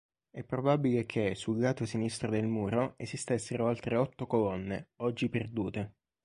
È probabile che, sul lato sinistro del muro, esistessero altre otto colonne, oggi perdute.